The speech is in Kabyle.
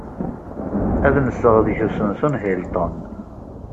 Ad nseɣ deg usensu n Hilton.